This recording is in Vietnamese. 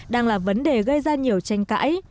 đang là vấn đề gây ra nhiều tranh cãi